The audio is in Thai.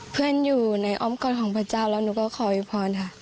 เพื่อนอยู่ในอ้อมกอดของพระเจ้าแล้วหนูก็ขออวยพรค่ะ